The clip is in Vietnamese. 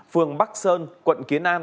phường bắc sơn quận kiến an